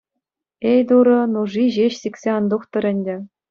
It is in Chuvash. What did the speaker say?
Эй, Турӑ, нуши ҫеҫ сиксе ан тухтӑр ӗнтӗ.